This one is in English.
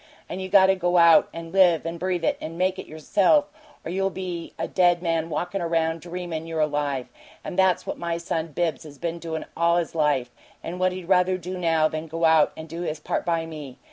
and you got to go out and live it and breathe it and MAKE it yourself, or you'll only be a dead man walkin' around dreamin' you're alive. And that's what my son Bibbs has been doin' all his life, and what he'd rather do now than go out and do his part by me.